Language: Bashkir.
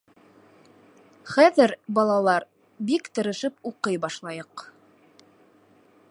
-Хәҙер, балалар, бик тырышып уҡый башлайыҡ.